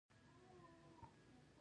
د شخصي لګښت په پیسو د کوټې په لټه شوم.